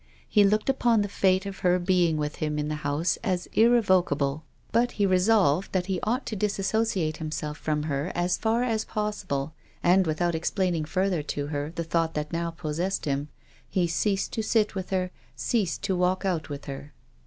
He looked upon the fate of her being with htm in the house as irrevocable. But he resolved that he ought to disassociate himself from her as far as possible, and, without explaining THE LIVING CHILD. 24I further to her the thought that now possessed him, he ceased to sit with her, ceased to walk out with her.